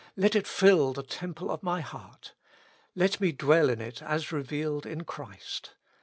Let it fill the temple of my heart. Let me dwell in it as revealed in Christ.